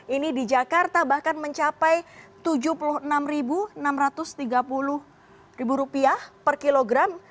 ini di jakarta bahkan mencapai rp tujuh puluh enam enam ratus tiga puluh per kilogram